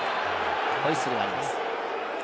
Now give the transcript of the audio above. ホイッスルがあります。